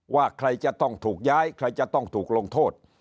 ว่าใครจะต้องถูกย้ายใครจะต้องถูกลงโทษ